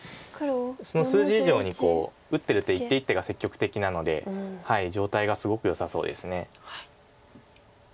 その数字以上に打ってる手一手一手が積極的なので状態がすごくよさそうです。